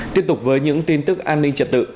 tiếp tục với những tin tức an ninh trật tự